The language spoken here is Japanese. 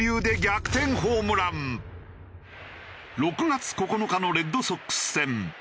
６月９日のレッドソックス戦。